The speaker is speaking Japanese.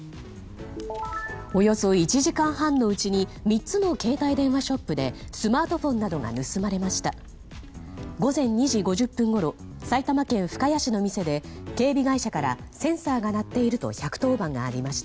およそ１時間半のうちに３つの携帯電話ショップでスマートフォンなどが盗まれました。